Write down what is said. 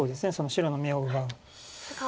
白の眼を奪う。